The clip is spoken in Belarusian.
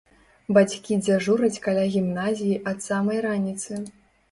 Бацькі дзяжураць каля гімназіі ад самай раніцы.